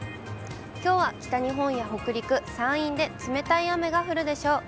きょうは北日本や北陸、山陰で冷たい雨が降るでしょう。